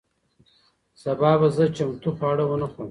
سبا به زه چمتو خواړه ونه خورم.